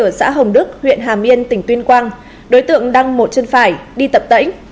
quê ở xã hồng đức huyện hà miên tỉnh tuyên quang đối tượng đang một chân phải đi tập tẩy